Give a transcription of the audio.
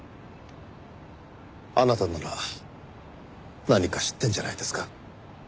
あなたなら何か知ってるんじゃないですか？